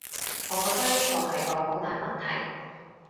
我覺得呢個係個好大問題